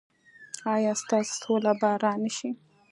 ایا ستاسو سوله به را نه شي؟